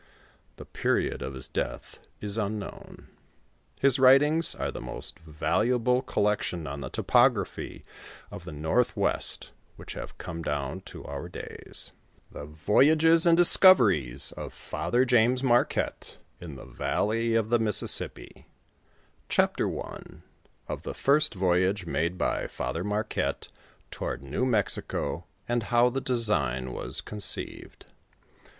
The period of his death is unknown. His writings are the most valuable collection on the topography of the north west, which have come down to our days. it [■ i 1 1 1 1 i :i|:i:' THE VOYAGES AND DISCOVERIES OF FJ^EEB JAMES MABQUETTE, IN ■' i\ THE VALLEY OF THE MISSISSIPPL CHAPTER I. OF THE FIRST VOYAGE MADE BY FATHER MAHqUETTE TOWARD NEW MEXICO, AND HOW THE DESIGN WAS CONCEIVED.